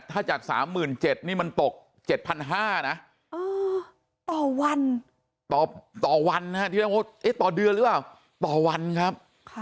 ถ้าจาก๓๗๐๐๐นี่มันตก๗๕๐๐นะต่อวันต่อวันต่อเดือนหรือว่าต่อวันครับ